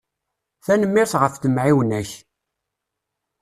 Tenmmirt ɣef temεiwna-ak.